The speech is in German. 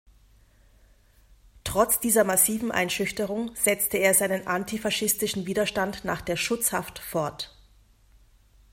Trotz dieser massiven Einschüchterung setzte er seinen antifaschistischen Widerstand nach der „Schutzhaft“ fort.